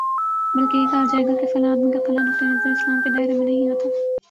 بلکہ یہ کہا جائے گا کہ فلاں آدمی کا فلاں نقطۂ نظر اسلام کے دائرے میں نہیں آتا